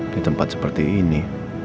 di tempat seperti ini